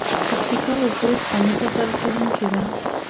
پکتیکا او خوست غمیزه دردوونکې ده.